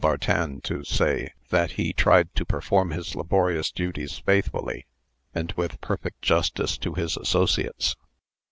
Bartin to say, that he tried to perform his laborious duties faithfully and with perfect justice to his associates.